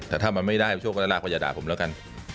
แต่ถ้ามันไม่ได้ช่วงเวลาก็จะด่าผมแล้วกัน